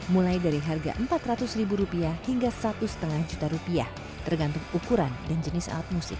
mulai dari harga rp empat ratus ribu rupiah hingga satu lima juta rupiah tergantung ukuran dan jenis alat musik